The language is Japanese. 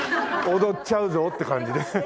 踊っちゃうぞっていう感じで。